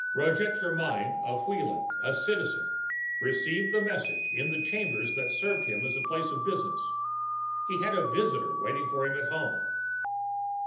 Roget Germyn, of Wheeling, a Citizen, received the message in the chambers that served him as a place of business. He had a visitor waiting for him at home.